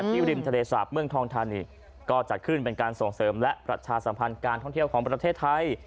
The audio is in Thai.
ริมทะเลสาปเมืองทองทานีก็จัดขึ้นเป็นการส่งเสริมและประชาสัมพันธ์การท่องเที่ยวของประเทศไทย